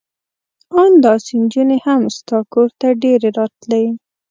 ان داسې نجونې هم ستا کور ته ډېرې راتلې.